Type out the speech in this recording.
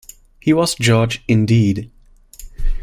He was George indeed.